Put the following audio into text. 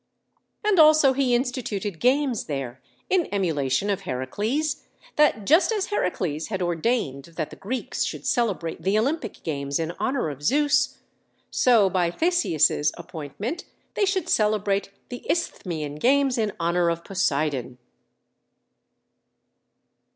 And also he instituted games there, in emulation of Heracles; that, just as Heracles had ordained that the Greeks should celebrate the Olympic games in honor of Zeus, so by Theseus' appointment they should celebrate the Isthmian games in honor of Poseidon.